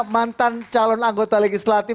mantan calon anggota legislatif